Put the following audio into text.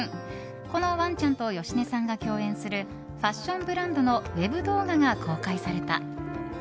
このワンちゃんと芳根さんが共演するファッションブランドのＷＥＢ動画が公開された。